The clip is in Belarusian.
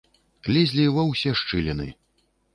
Лезлі ва ўсе шчыліны.